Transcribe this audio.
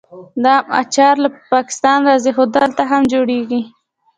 د ام اچار له پاکستان راځي خو دلته هم جوړیږي.